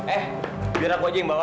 eh biar aku aja yang bawa